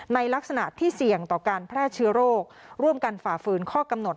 ในลักษณะที่เสี่ยงต่อการแพร่เชื้อโรคร่วมกันฝ่าฝืนข้อกำหนด